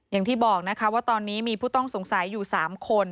อย่างที่บอกนะคะว่าตอนนี้มีผู้ต้องสงสัยอยู่๓คน